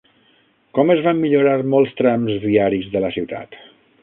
Com es van millorar molts trams viaris de la ciutat?